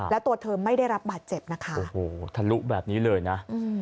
แล้วตัวเธอไม่ได้รับบาดเจ็บนะคะโอ้โหทะลุแบบนี้เลยนะ